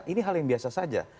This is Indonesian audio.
ini hal yang biasa saja